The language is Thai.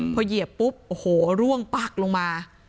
พอเหยียบปุ๊บหรวงลงมา